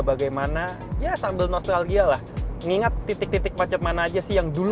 bagaimana ya sambil nostalgia lah mengingat titik titik macet mana aja sih yang dulu